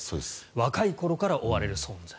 若い頃から追われる存在。